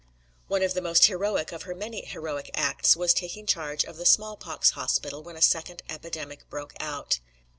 One of the most heroic of her many heroic acts was taking charge of the small pox hospital when a second epidemic broke out.